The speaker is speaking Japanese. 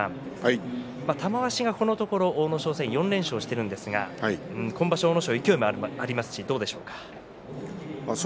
玉鷲がこのところ阿武咲戦４連勝しているんですが今場所の阿武咲勢いがありますしどうでしょうか。